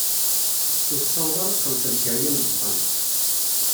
Ur tessaweḍ ara ad txelleṣ lkaryan n uxxam.